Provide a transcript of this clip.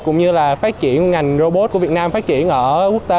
cũng như là phát triển ngành robot của việt nam phát triển ở quốc tế